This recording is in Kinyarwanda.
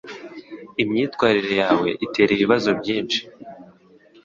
Imyitwarire yawe itera ibibazo byinshi